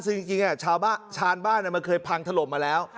ซึ่งจริงเช้าบ้าชานบ้านเคยพังถล่มมาแล้ว